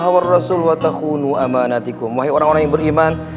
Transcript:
wahai orang orang yang beriman